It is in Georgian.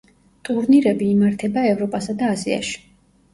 ტურნირები იმართება ევროპასა და აზიაში.